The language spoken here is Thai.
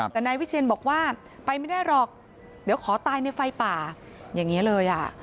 แต่นายวิเชียนบอกว่าไปไม่ได้หรอกเดี๋ยวขอตายในไฟป่าอย่างนี้เลยอ่ะ